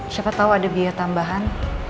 siapa tahu ada biaya tambahan